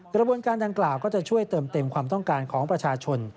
กระบวนการดังกล่าวก็จะช่วยเติมเต็มความต้องการของประชาชน